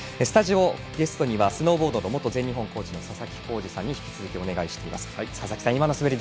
スタジオゲストにはスノーボードの元全日本コーチの佐々木耕司さんに引き続きお願いしています。